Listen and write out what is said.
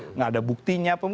enggak ada buktinya